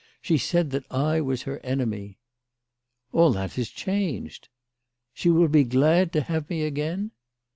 She said that I was her enemy." " All that is changed." "She will be glad to have me again